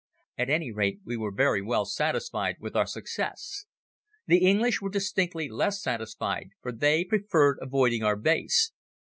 At any rate, we were very well satisfied with our success. The English were distinctly less satisfied for they preferred avoiding our base.